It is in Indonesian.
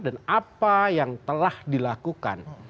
dan apa yang telah dilakukan